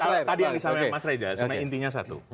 kalau tadi yang disampaikan mas reza sebenarnya intinya satu